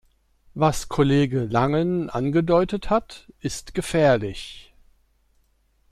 Was Kollege Langen angedeutet hat, ist gefährlich.